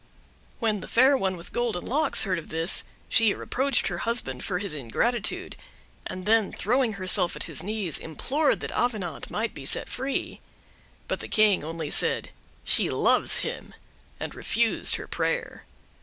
When the Fair One with Golden Locks heard of this, she reproached her husband for his ingratitude, and then throwing herself at his knees, implored that Avenant might be set free. But the King only said: "She loves him!" and refused her prayer.